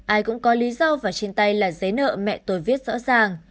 ai cũng có lý do và trên tay là giấy nợ mẹ tôi viết rõ ràng